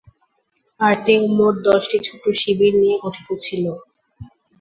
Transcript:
আর্টেক মোট দশটি ছোট শিবির নিয়ে গঠিত ছিল।